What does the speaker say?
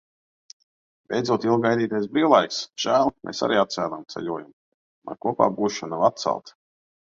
Beidzot ilgi gaidītais brīvlaiks. Žēl, mēs arī atcēlām ceļojumu. Tomēr kopā būšana nav atcelta.